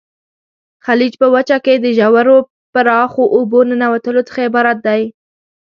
خلیج په وچه کې د ژورو پراخو اوبو ننوتلو څخه عبارت دی.